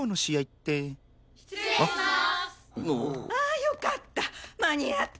ああよかった間に合った。